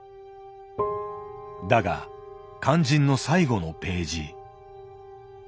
だが肝心の最後のページ。